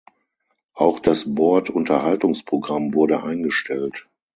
Auch das Bord-Unterhaltungsprogramm wurde eingestellt.